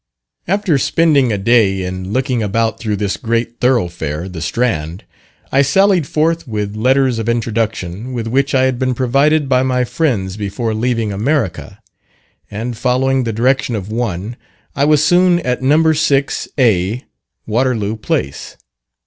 After spending a day in looking about through this great thoroughfare, the Strand, I sallied forth with letters of introduction, with which I had been provided by my friends before leaving America; and following the direction of one, I was soon at No. 6, A, Waterloo Place.